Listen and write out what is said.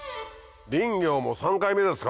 林業も３回目ですか。